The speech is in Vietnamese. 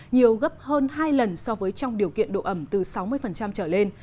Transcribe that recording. nhiều gấp hơn hai lần so với trong điều kiện độ ẩm từ sáu mươi trở lên